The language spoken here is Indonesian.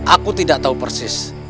aku tidak tahu persis